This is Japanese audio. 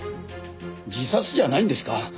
自殺じゃないんですか？